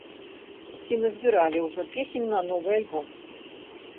Ці назбіралі ўжо песень на новы альбом?